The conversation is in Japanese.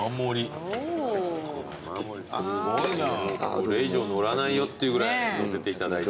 これ以上載らないよっていうぐらい載せていただいて。